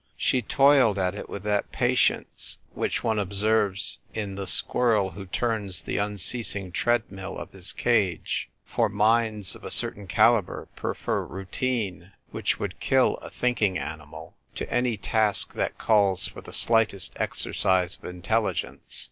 She toiled at it with that patience which one observes in the squirrel who turns the unceasing treadmill of his cage ; for minds of a certain calibre prefer routine, which would kill a thinking animal, to any task that calls for the slightest exercise of intelligence.